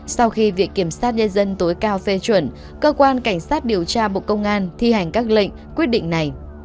sau khi vị kiểm soát nhà dân tối cao phê chuẩn cơ quan cảnh sát điều tra bộ công an thi hành các lệnh quyết định này